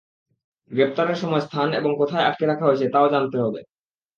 গ্রেপ্তারের সময়, স্থান এবং কোথায় আটক রাখা হয়েছে, তা-ও জানাতে হবে।